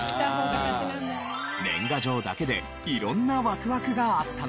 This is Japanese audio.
年賀状だけで色んなワクワクがあったのです。